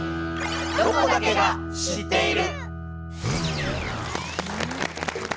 「ロコだけが知っている」。